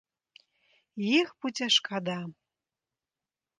І іх будзе шкада.